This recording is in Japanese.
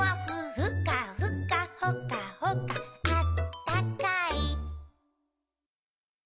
「ふかふかほかほかあったかい！」